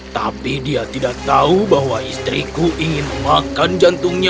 tapi dia tidak tahu bahwa istriku ingin memakan jantungnya